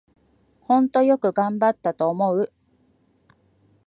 ほんとよく頑張ったと思う